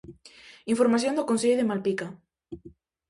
Información do Concello de Malpica.